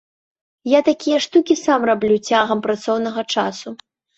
Я такія штукі сам раблю цягам працоўнага часу.